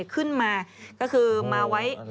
ขึ้นมาก็คือมาไว้